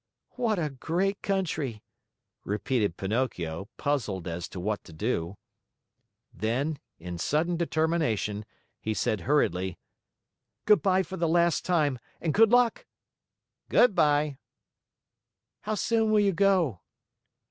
"What a great country!" repeated Pinocchio, puzzled as to what to do. Then, in sudden determination, he said hurriedly: "Good by for the last time, and good luck." "Good by." "How soon will you go?"